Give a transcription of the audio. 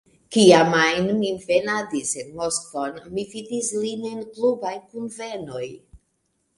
Kiam ajn mi venadis en Moskvon, mi vidis lin en klubaj kunvenoj.